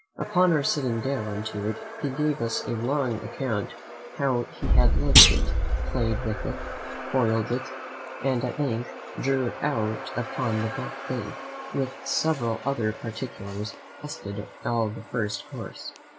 Upon our sitting down to it he gave us a long account how he had hooked it, played with it, foiled it, and at length drew it out upon the bank, with several other particulars that lasted all the first course.